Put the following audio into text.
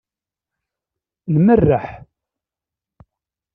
Nmerreḥ.